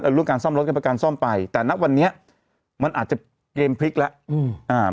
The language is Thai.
เอาเรื่องการซ่อมรถให้ประกันซ่อมไปแต่นักวันนี้มันอาจจะเกมพลิกแล้วอืม